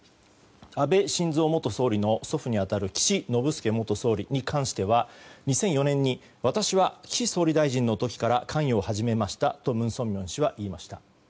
安倍晋三元総理の祖父に当たる岸信介元総理に関しては２００４年に私は岸総理大臣の時から関与を始めましたと文鮮明氏は言いました。